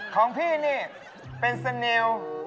ของพี่นี่เป็นสเนล